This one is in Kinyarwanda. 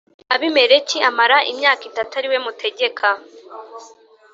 Abimeleki amara imyaka itatu ari we mutegeka